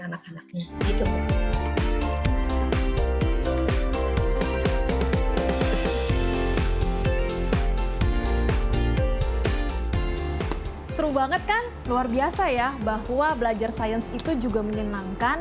anak anaknya gitu seru banget kan luar biasa ya bahwa belajar sains itu juga menyenangkan